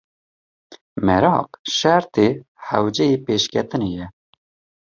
Meraq şertê hewce yê pêşketinê ye.